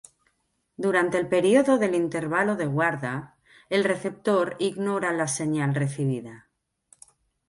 Durante el periodo del intervalo de guarda, el receptor ignora la señal recibida.